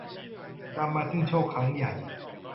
นำมาซึ่งโชคครั้งใหญ่